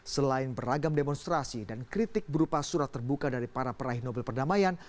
selain beragam demonstrasi dan kritik berupa surat terbuka dari para peraih nobel perdamaian